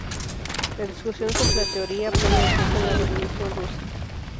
La discusión sobre la teoría pone el foco en la revolución rusa.